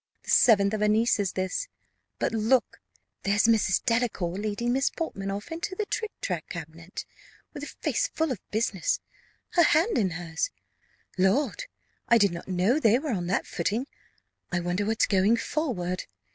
The seventh of her nieces this. But look, there's Mrs. Delacour leading Miss Portman off into the trictrac cabinet, with a face full of business her hand in hers Lord, I did not know they were on that footing! I wonder what's going forward.